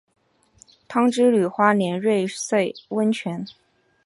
汤之旅花莲瑞穗温泉